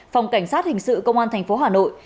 phòng cảnh sát hình sự công an tp hà nội